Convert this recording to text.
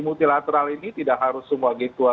multilateral ini tidak harus semua g dua puluh